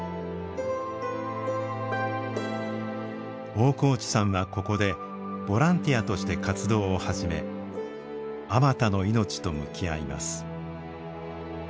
大河内さんはここでボランティアとして活動を始めあまたの命と向き合います。